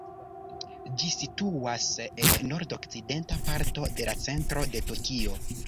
Ĝi situas en nord-okcidenta parto de centro de Tokio.